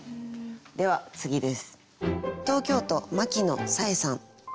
では次です。